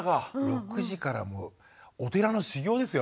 ６時からもうお寺の修行ですよ